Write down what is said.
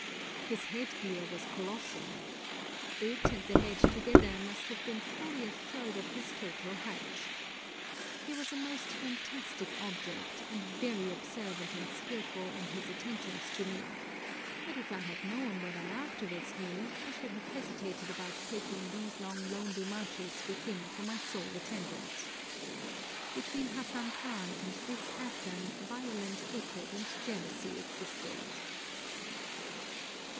His headgear was colossal. It and the head together must have been fully a third of his total height. He was a most fantastic object, and very observant and skilful in his attentions to me; but if I had known what I afterwards knew, I should have hesitated about taking these long lonely marches with him for my sole attendant. Between Hassan Khan and this Afghan violent hatred and jealousy existed.